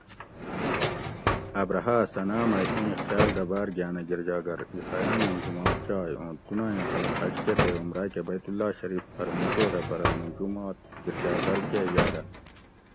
ابرھاۤ صنعا مئی ایں خیال دہ باۤر گاۤن ا گرجا گھر (عیسایاۤنیں جُمات) چائے اُوں دُنائیں خلق حج کہ تے عمراۤ کہ بیت اللّہ شریف پۤھر مُو چودہ پرہ مُو جُمات (گرجا گھر) کہ یاۤدہ